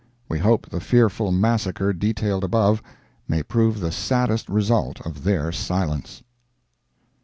We hope the fearful massacre detailed above may prove the saddest result of their silence.